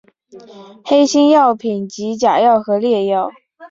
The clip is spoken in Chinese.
黑心药品即假药和劣药。